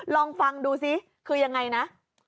ลองฟังดูซิคือยังไงนะ